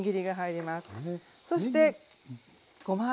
そしてごま油。